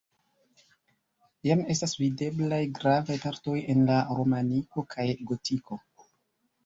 Jam estas videblaj gravaj partoj en la romaniko kaj gotiko.